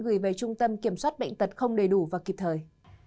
gửi về trung tâm kiểm soát bệnh tật không đầy đủ và kịp thời